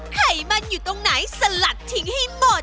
ไขมันอยู่ตรงไหนสลัดทิ้งให้หมด